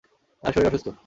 তাঁর শরীর অসুস্থ।